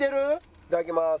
いただきます。